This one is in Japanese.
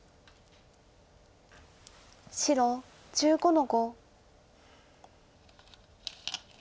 白１５の五。